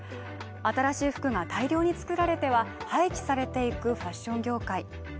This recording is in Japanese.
新しい服が大量に作られては廃棄されていくファッション業界。